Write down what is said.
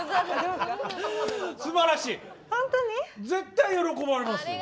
絶対喜ばれます。